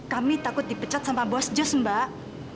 kami takut dipecat sama bos jos mbak